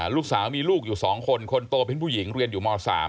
ลูกสาวมีลูกอยู่๒คนคนโตเป็นผู้หญิงเรียนอยู่ม๓